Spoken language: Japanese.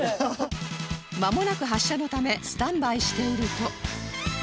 まもなく発車のためスタンバイしていると